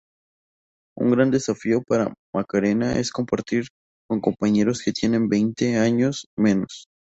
Un gran desafío para Macarena es compartir con compañeros que tienen veinte años menos.